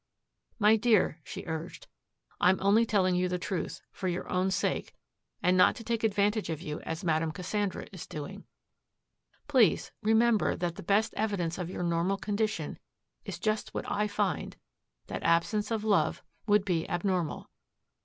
"My dear," she urged, "I'm only telling you the truth, for your own sake, and not to take advantage of you as Madame Cassandra is doing. Please remember that the best evidence of your normal condition is just what I find, that absence of love would be abnormal.